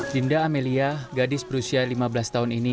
dinda amelia gadis berusia lima belas tahun ini